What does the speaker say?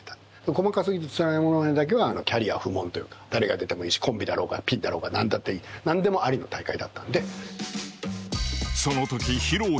「細かすぎて伝わらないモノマネ」だけはキャリア不問というか誰が出てもいいしコンビだろうがピンだろうが何だっていい何でもありの大会だったんで。